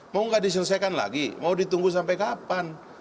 mau nggak diselesaikan lagi mau ditunggu sampai kapan